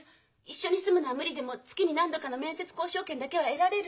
一緒に住むのは無理でも月に何度かの面接交渉権だけは得られるって。